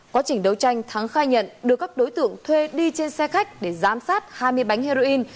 quá trình đấu tranh thắng khai nhận được các đối tượng thuê đi trên xe khách để giám sát hai mươi bánh heroin